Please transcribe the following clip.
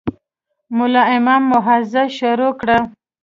ملا امام موعظه شروع کړه.